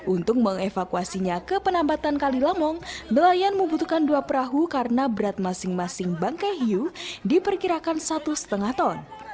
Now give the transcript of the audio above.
untuk mengevakuasinya ke penampatan kali lamong nelayan membutuhkan dua perahu karena berat masing masing bangkai hiu diperkirakan satu lima ton